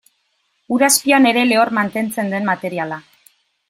Ur azpian ere lehor mantentzen den materiala.